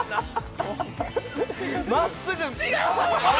真っすぐ。